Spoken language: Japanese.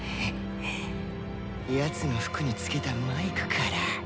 やつの服につけたマイクから。